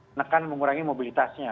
menekan mengurangi mobilitasnya